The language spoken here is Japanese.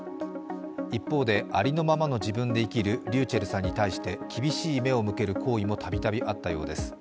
一方で、ありのままの自分で生きるｒｙｕｃｈｅｌｌさんに対して厳しい目を向ける行為も度々あったようです。